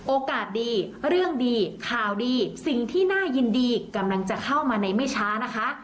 โอกาสดีเรื่องดีข่าวดีสิ่งที่น่ายินดีกำลังจะเข้ามาในไม่ช้านะคะ